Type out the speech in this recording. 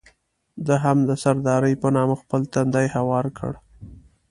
ده هم د سردارۍ په نامه خپل تندی هوار کړ.